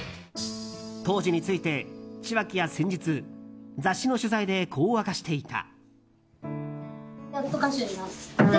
当時について千秋は先日雑誌の取材でこう明かしていた。